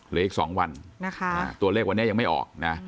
เหลืออีก๒วันนะคะตัวเลขวันนี้ยังไม่ออกนะ